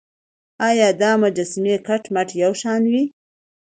ایا دا مجسمې کټ مټ یو شان وې.